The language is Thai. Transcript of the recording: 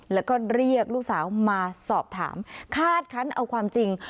แล้วก็เรียกลูกสาวมาสอบถามคาดคันเอาความจริง